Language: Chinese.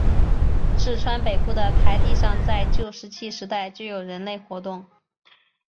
市川北部的台地上在旧石器时代就有人类活动。